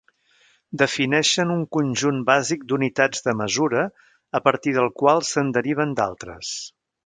Defineixen un conjunt bàsic d'unitats de mesura a partir del qual se'n deriven d'altres.